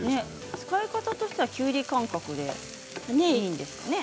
使い方としてはきゅうり感覚でいいんですね。